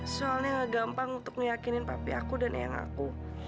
soalnya gampang untuk meyakinin papi aku dan ayah aku